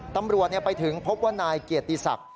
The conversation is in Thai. ตำรวจไปถึงพบว่านายเกียรติศักดิ์